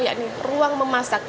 yaitu ruang memasak